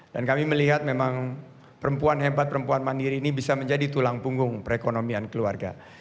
dan kami melihat memang perempuan hebat perempuan mandiri ini bisa menjadi tulang punggung perekonomian keluarga